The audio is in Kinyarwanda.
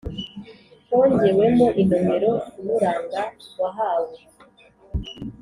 hongewemo inomero iwuranga wahawe